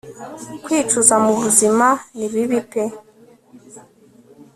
kwicuza mubuzima nibibi pe